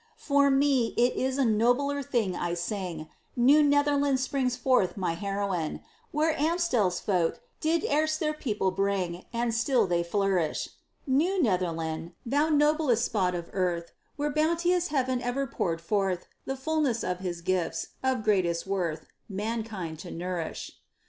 For me, it is a nobler thing I sing. New Netherland springs forth my heroine; Where Amstel's folk did erst their people bring, And still they flourish. New Netherland, thou noblest spot of earth, Where Bounteous Heaven ever poureth forth The fulness of His gifts, of greatest worth, Mankind to nourish.